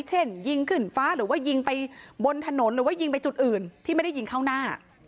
เช่นยิงขึ้นฟ้าหรือว่ายิงไปบนถนนหรือว่ายิงไปจุดอื่นที่ไม่ได้ยิงเข้าหน้า